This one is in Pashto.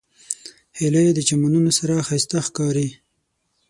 هیلۍ د چمنونو سره ښایسته ښکاري